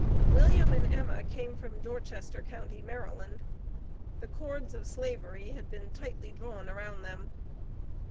William and Emma came from Dorchester county, Maryland. The cords of Slavery had been tightly drawn around them.